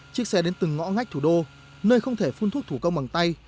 chiếc xe đến từng ngõ ngách thủ đô nơi không thể phun thuốc thủ công bằng tay